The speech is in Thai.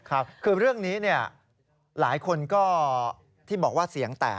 คือเรื่องนี้เนี่ยหลายคนก็ที่บอกว่าเสียงแตก